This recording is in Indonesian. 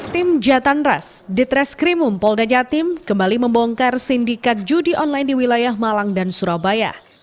tim jatanras ditres krimum polda jatim kembali membongkar sindikat judi online di wilayah malang dan surabaya